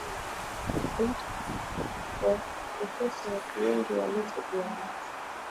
kuleta demokrasia ni kuwaruhusu watu wengine walete vyama